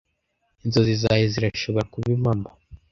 Inzozi zawe zirashobora kuba impamo